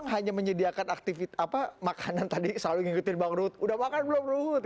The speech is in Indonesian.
hanya menyediakan aktivitas apa makanan tadi selalu ngikutin bang ruhut udah makan belum ruhut